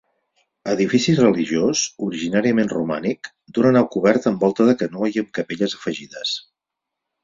Edifici religiós, originàriament romànic, d'una nau coberta amb volta de canó i amb capelles afegides.